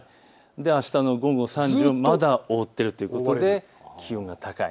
あしたの午後３時、まだずっと覆っているということで気温が高い。